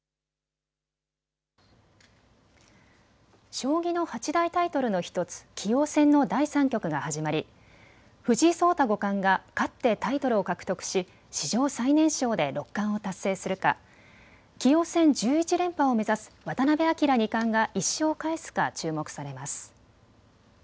将棋の八大タイトルの１つ、棋王戦の第３局が始まり藤井聡太五冠が勝ってタイトルを獲得し史上最年少で六冠を達成するか棋王戦１１連覇を目指す渡辺明二冠が１勝を返すか注目されます。